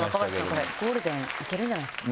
これゴールデンいけるんじゃないですか？